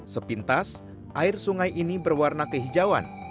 sepintas air sungai ini berwarna kehijauan